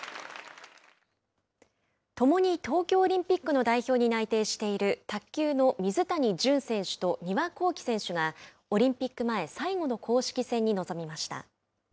共に東京オリンピックの代表に内定している卓球の水谷隼選手と丹羽孝希選手がオリンピック前最後の公式戦に臨みました。